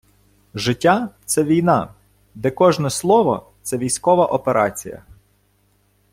Життя — це війна, де кожне слово — це військова операція.